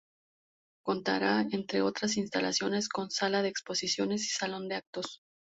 Contará, entre otras instalaciones, con sala de exposiciones y salón de actos.